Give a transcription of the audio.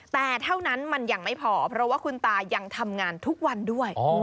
แต่เท่านั้นมันยังไม่พอเพราะว่าคุณตายังทำงานทุกวันด้วย